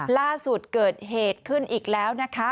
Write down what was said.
ล่าสุดเกิดเหตุขึ้นอีกแล้วนะคะ